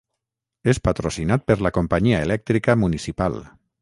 És patrocinat per la companyia elèctrica municipal.